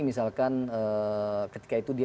misalkan ketika itu dia